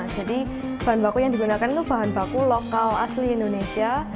jadi bahan baku yang digunakan itu bahan baku lokal asli indonesia